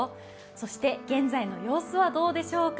そして現在の様子はどうでしょうか。